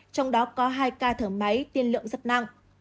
trong đó có hai ca thở máy tiên lượng rất năng